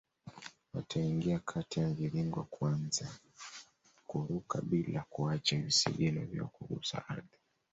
Wataingia kati ya mviringo kuanza kuruka bila kuacha visigino vyao kugusa ardhi